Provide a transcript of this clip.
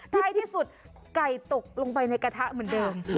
ท้ายที่สุดไก่ตกลงไปในกระทะเหมือนเดิม